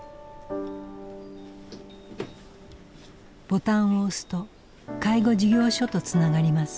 ボタンを押すと介護事業所とつながります。